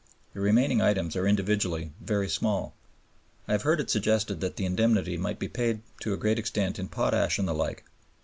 The remaining items are individually very small. I have heard it suggested that the indemnity might be paid to a great extent in potash and the like.